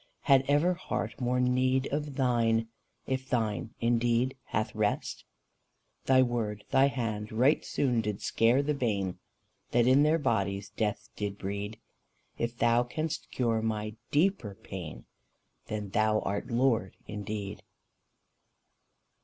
Had ever heart more need of thine, If thine indeed hath rest? Thy word, thy hand right soon did scare the bane That in their bodies death did breed: If thou canst cure my deeper pain, Then thou art Lord indeed.